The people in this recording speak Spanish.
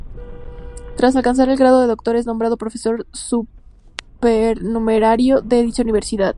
Tras alcanzar el grado de doctor, es nombrado profesor supernumerario de dicha Universidad.